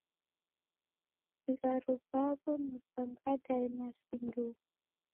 Vigharo vawo ni va nganda na nyasi ndu